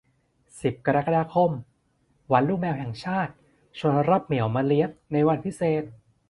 สิบ กรกฎาคม วันลูกแมวแห่งชาติ ชวนรับเหมียวมาเลี้ยงในวันพิเศษ